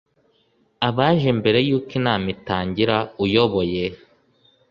abaje mbere y uko inama itangira uyoboye